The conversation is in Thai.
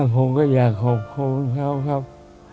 ผมก็อยากขอบคุณเขาครับ